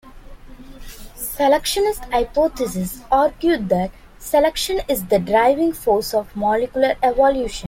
Selectionist hypotheses argue that selection is the driving force of molecular evolution.